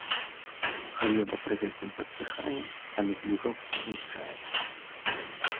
Глеба пры гэтым падсыхае, а метлюжок знішчаецца.